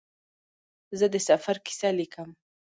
زه د سفر کیسه لیکم.